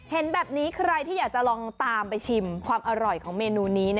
เห็นแบบนี้ใครที่อยากจะลองตามไปชิมความอร่อยของเมนูนี้